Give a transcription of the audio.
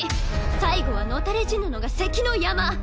最後は野たれ死ぬのが関の山！